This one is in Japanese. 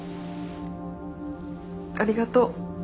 ありがとう。